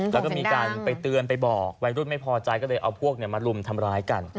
แล้วก็มีการไปเตือนไปบอกวัยรุ่นไม่พอใจก็เลยเอาพวกมาลุมทำร้ายกัน